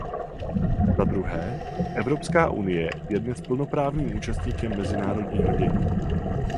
Za druhé, Evropská unie je dnes plnoprávným účastníkem mezinárodního dění.